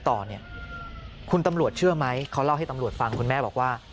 ต่อเนี่ยคุณตำรวจเชื่อไหมเขาเล่าให้ตำรวจฟังคุณแม่บอกว่า